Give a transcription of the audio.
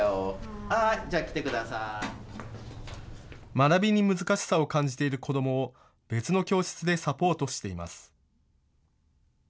学びに難しさを感じている子どもを別の教室でサポートしています。